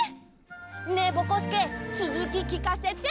ねえぼこすけつづききかせて！